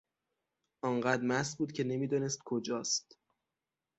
آنقدر مست بود که نمیدانست کجاست.